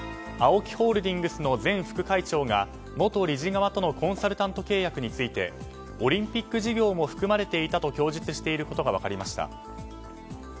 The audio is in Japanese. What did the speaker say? ＡＯＫＩホールディングスの前副会長が元理事側とのコンサルタント契約についてオリンピック事業も含まれていたと供述していることが分かりました。